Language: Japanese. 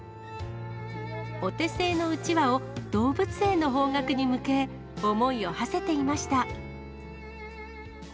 お手製のうちわを動物園の方角に向け、思いをはせていました。